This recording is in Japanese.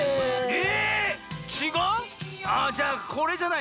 え！